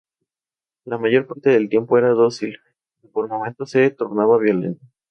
La mayor parte del tiempo era dócil, pero por momentos se tornaba violento.